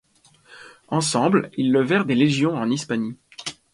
Ensemble ils levèrent des légions en Hispanie.